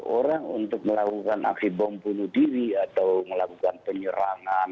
orang untuk melakukan aksi bom bunuh diri atau melakukan penyerangan